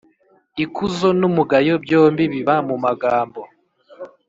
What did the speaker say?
Ikuzo n’umugayo, byombi biba mu magambo,